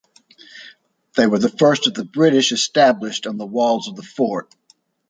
They were the first of the British established on the walls of the Fort.